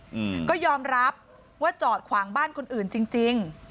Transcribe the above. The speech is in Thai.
อืมก็ยอมรับว่าจอดขวางบ้านคนอื่นจริงจริง